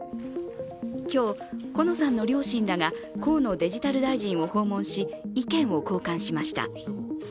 今日、好乃さんの両親らが河野デジタル大臣を訪問し意見を交換しました。